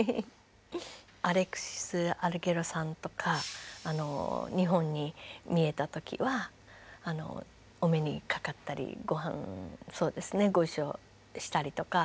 アレクシス・アルゲリョさんとか日本にみえた時はお目にかかったりごはんをご一緒したりとか。